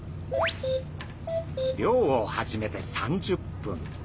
漁を始めて３０分。